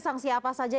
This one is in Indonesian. sangsi apa saja